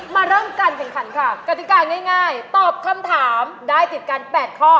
มาเริ่มการแข่งขันค่ะกติกาง่ายตอบคำถามได้ติดกัน๘ข้อ